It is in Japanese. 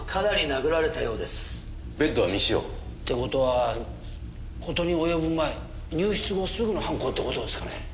ベッドは未使用。って事は事に及ぶ前入室後すぐの犯行って事ですかね。